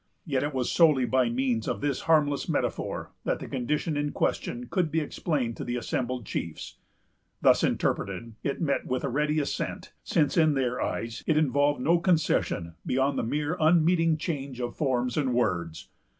Yet it was solely by means of this harmless metaphor that the condition in question could be explained to the assembled chiefs. Thus interpreted, it met with a ready assent; since, in their eyes, it involved no concession beyond a mere unmeaning change of forms and words.